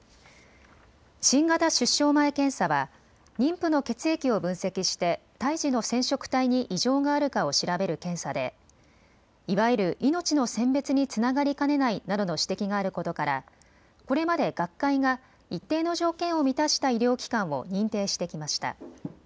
新型出生前検査は妊婦の血液を分析して胎児の染色体に異常があるかを調べる検査でいわゆる命の選別につながりかねないなどの指摘があることからこれまで学会が一定の条件を満たした医療機関を認定してきました。